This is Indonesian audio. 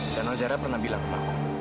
dan anwar zahir pernah bilang ke paku